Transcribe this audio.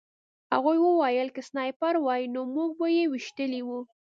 هغوی وویل که سنایپر وای نو موږ به یې ویشتلي وو